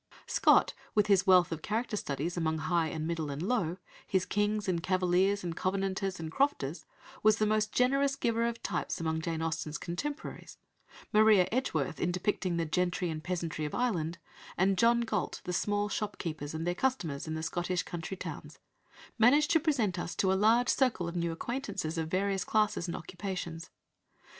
Scott, with his wealth of character studies among high and middle and low, his kings and cavaliers and covenanters and crofters, was the most generous giver of types among Jane Austen's contemporaries; Maria Edgeworth in depicting the gentry and peasantry of Ireland, and John Galt the small shop keepers and their customers in the Scottish country towns, managed to present us to a large circle of new acquaintances, of various classes and occupations.